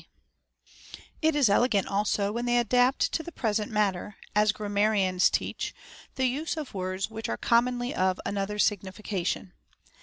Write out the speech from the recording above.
\ It is elegant also when they adapt to the present mat ter, as grammarians teach, the use of words which are com monly of another signification.